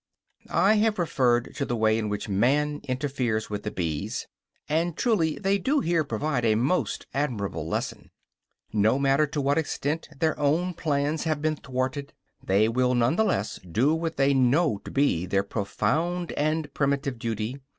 I have referred to the way in which man interferes with the bees; and truly they do here provide a most admirable lesson. No matter to what extent their own plans have been thwarted, they will none the less do what they know to be their profound and primitive duty.